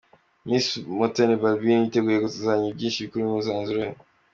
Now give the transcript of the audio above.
Miss Mutoni Balbine yiteguye kuzatangaza byinshi kuri uyu mwanzuro we.